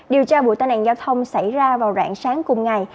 điều tra vụ tai nạn giao thông xảy ra vào rạng sáng cùng ngày